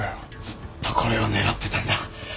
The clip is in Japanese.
ずっとこれを狙ってたんだ。